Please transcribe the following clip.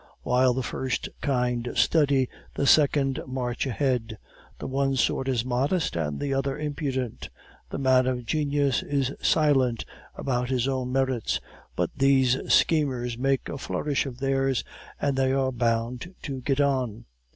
While the first kind study, the second march ahead; the one sort is modest, and the other impudent; the man of genius is silent about his own merits, but these schemers make a flourish of theirs, and they are bound to get on.